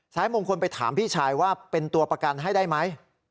มงคลไปถามพี่ชายว่าเป็นตัวประกันให้ได้ไหม